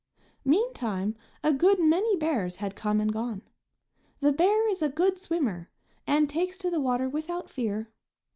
Meantime a good many bears had come and gone. The bear is a good swimmer, and takes to the water without fear.